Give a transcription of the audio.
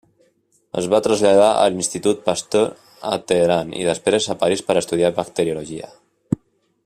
Es va traslladar a l'Institut Pasteur a Teheran i després a París per estudiar bacteriologia.